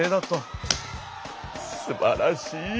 すばらしい！